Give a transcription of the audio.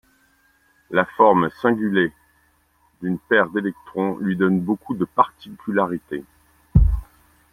La forme singulet d'une paire d'électrons lui donne beaucoup de particularités.